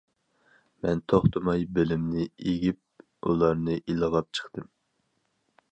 مەن توختىماي بىلىمنى ئېگىپ بۇلارنى ئىلغاپ چىقتىم.